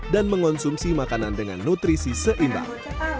dan mengonsumsi makanan dengan nutrisi seimbang